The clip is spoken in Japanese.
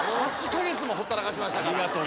８か月もほったらかしましたから。